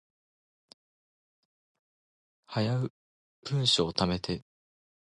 早う文章溜めて